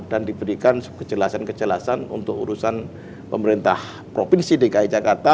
dan diberikan kejelasan kejelasan untuk urusan pemerintah provinsi dki jakarta